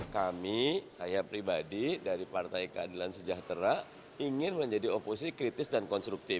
kami saya pribadi dari partai keadilan sejahtera ingin menjadi oposisi kritis dan konstruktif